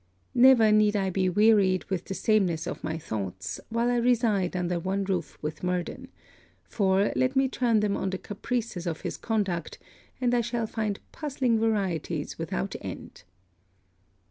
Never need I be wearied with the sameness of my thoughts, while I reside under one roof with Murden; for, let me turn them on the caprices of his conduct, and I shall find puzzling varieties without end.